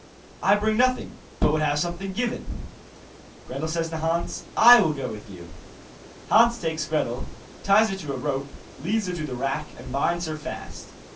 'I bring nothing, but would have something given.' Gretel says to Hans: 'I will go with you.' Hans takes Gretel, ties her to a rope, leads her to the rack, and binds her fast.